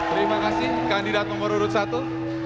terima kasih kandidat nomor urut satu